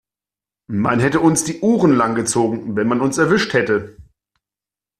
Man hätte uns die Ohren lang gezogen, wenn man uns erwischt hätte.